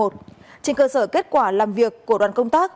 trên cơ sở kết quả làm việc của đoàn công tác